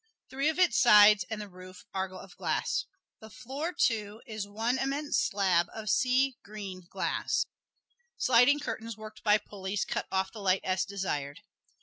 Three of its sides and the roof are of glass. The floor, too, is one immense slab of sea green glass. Sliding curtains worked by pulleys cut off the light as desired.